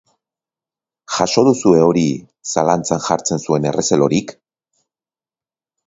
Jaso duzue hori zalantzan jartzen zuen errezelorik?